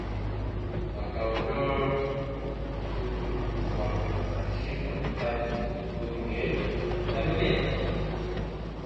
wakaondoa gundu kwa kashinda taji la kombe la dunia